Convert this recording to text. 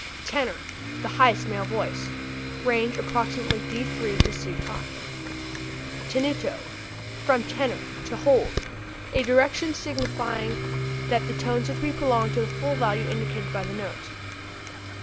Tenor the highest male voice. Range approximately d c''. Tenuto (from teneo, to hold) a direction signifying that the tones are to be prolonged to the full value indicated by the notes.